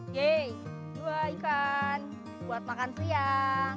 yeay dua ikan buat makan siang